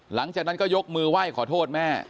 หลังจากนั้นก็ยกมือไหว้ขอโทษแม่